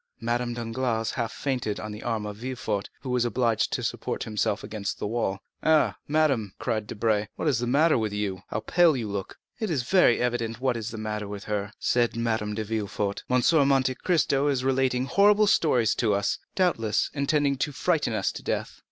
Madame Danglars half fainted on the arm of Villefort, who was obliged to support himself against the wall. "Ah, madame," cried Debray, "what is the matter with you? how pale you look!" "It is very evident what is the matter with her," said Madame de Villefort; "M. de Monte Cristo is relating horrible stories to us, doubtless intending to frighten us to death."